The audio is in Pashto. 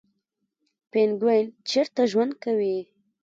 پینګوین چیرته ژوند کوي؟